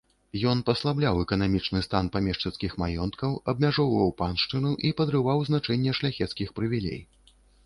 Ён паслабляў эканамічны стан памешчыцкіх маёнткаў, абмяжоўваў паншчыну і падрываў значэнне шляхецкіх прывілей.